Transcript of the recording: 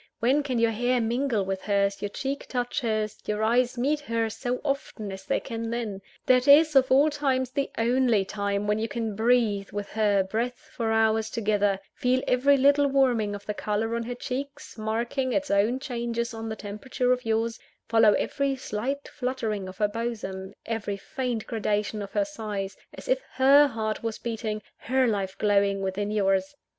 when can your hair mingle with hers, your cheek touch hers, your eyes meet hers, so often as they can then? That is, of all times, the only time when you can breathe with her breath for hours together; feel every little warming of the colour on her cheek marking its own changes on the temperature of yours; follow every slight fluttering of her bosom, every faint gradation of her sighs, as if her heart was beating, her life glowing, within yours.